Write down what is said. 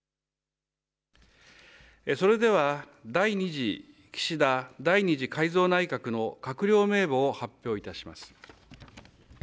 それでは第２次岸田第２次改造内閣の閣僚名簿を発表いたします。